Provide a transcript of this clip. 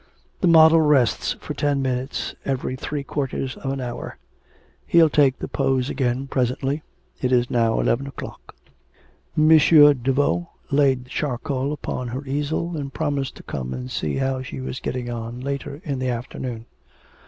'The model rests for ten minutes every three quarters of an hour. He'll take the pose again presently. It is now eleven o'clock.' M. Daveau laid the charcoal upon her easel, and promised to come and see how she was getting on later in the afternoon.